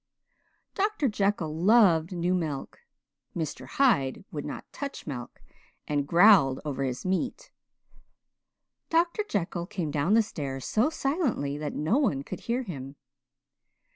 Dr. Jekyll loved new milk; Mr. Hyde would not touch milk and growled over his meat. Dr. Jekyll came down the stairs so silently that no one could hear him.